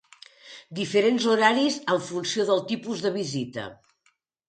Diferents horaris en funció del tipus de visita.